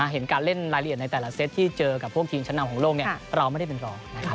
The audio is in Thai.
เห็นการเล่นรายละเอียดในแต่ละเซตที่เจอกับพวกทีมชั้นนำของโลกเราไม่ได้เป็นรอง